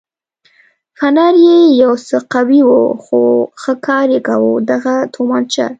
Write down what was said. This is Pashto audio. فنر یې یو څه قوي و خو ښه کار یې کاوه، دغه تومانچه.